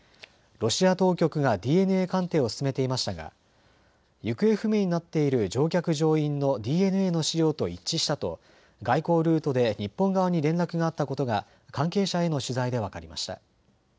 ロシア当局がＤＮＡ鑑定を進めていましたが行方不明になっている乗客乗員のＤＮＡの資料と一致したと外交ルートで日本側に連絡があったことが関係者への取材で分かりました。